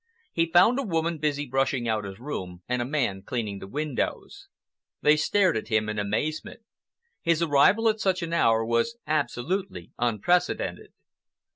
He found a woman busy brushing out his room and a man Cleaning the windows. They stared at him in amazement. His arrival at such an hour was absolutely unprecedented.